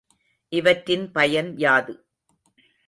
இவற்றின் பயன் யாது?